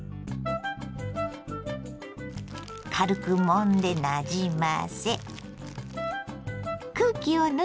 軽くもんでなじませ空気を抜いて口を閉じます。